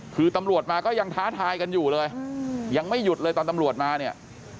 คือตำรวจมาก็ยังท้าทายกันอยู่เลยยังไม่หยุดเลยตอนตำรวจมาเนี่ย